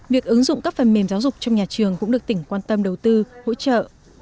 việc ứng dụng các phần mềm giáo dục trong nhà trường cũng được tỉnh quan tâm đầu tư hỗ trợ